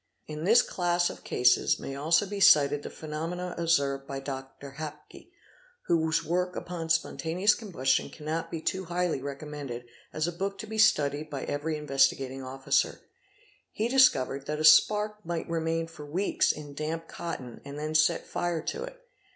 In this class of cases may also be cited the phenomenon observed by Dr. Hapke "130, whose work upon spontaneous combustion cannot be too highly recommended as a book to be studied by every Investi gating Officer. He discovered that a spark might remain for weeks in damp cotton and then set fire to' it..